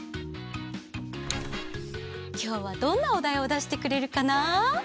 きょうはどんなおだいをだしてくれるかな？